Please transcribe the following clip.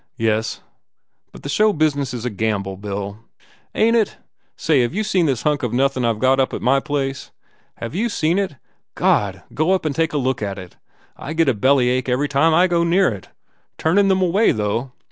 "Yes ... but the show business is a gamble, Bill." "Ain t it? Say, have you seen this hunk of nothin I ve got up to my place? Have you seen it? God, go up and take a look at it! I get a bellyache every time I go near it. Turnin them away, though.